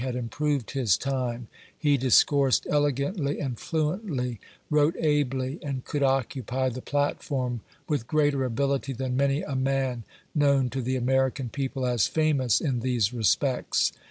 Kagi had improved his time; he discoursed elegantly and fluently, wrote ably, and could occupy the platform with greater ability than many a man known io the American people as famous in these respects.